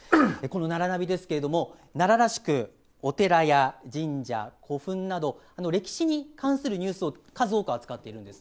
「ならナビ」なんですけれども奈良らしくお寺や神社、古墳など歴史に関するニュースを数多く扱っているんです。